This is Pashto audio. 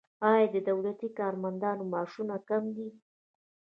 آیا د دولتي کارمندانو معاشونه کم دي؟